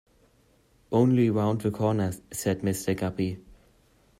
"Only round the corner," said Mr. Guppy.